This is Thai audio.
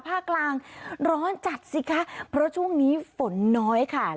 ภาคกลางร้อนจัดสิคะเพราะช่วงนี้ฝนน้อยค่ะ